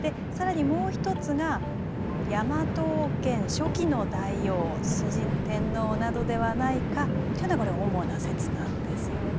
で更にもう一つがヤマト王権初期の大王崇神天皇などではないかというのが主な説なんですよね。